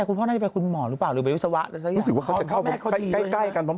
คุณพ่อไปไปเวทยุศวะซะอย่าง